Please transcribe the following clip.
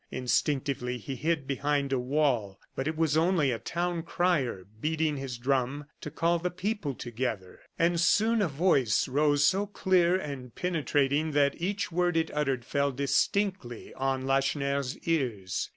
Instinctively he hid behind a wall. But it was only a town crier beating his drum to call the people together. And soon a voice rose so clear and penetrating that each word it uttered fell distinctly on Lacheneur's ears.